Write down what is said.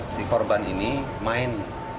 si korban ini main